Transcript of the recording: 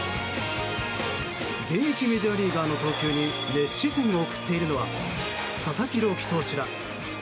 現役メジャーリーガーの投球に熱視線を送っているのは佐々木朗希投手ら侍